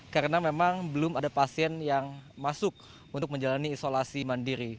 karena memang belum ada pasien yang masuk untuk menjalani isolasi mandiri